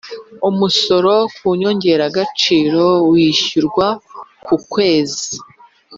Umusoro ku nyongeragaciro wishyurwa ku kwezi